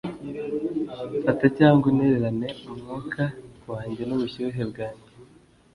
Fata cyangwa untererane umwuka wanjye n'ubushyuhe bwanjye